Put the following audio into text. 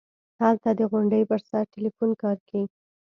هلته د غونډۍ پر سر ټېلفون کار کيي.